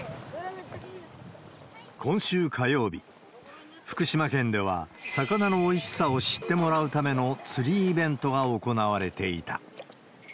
今週火曜日、福島県では、魚のおいしさを知ってもらうための釣りイベントが行われていた。